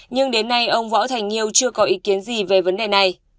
nhưng đến nay ông võ thành nhiêu chưa có ý kiến gì về vấn đề này